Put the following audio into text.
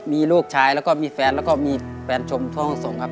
มีลูกชายแล้วก็มีแฟนแล้วก็มีแฟนชมท่องส่งครับ